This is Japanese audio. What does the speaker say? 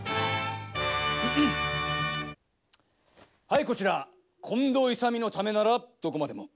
はいこちら近藤勇のためならどこまでも。